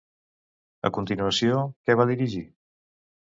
A continuació, què va dirigir?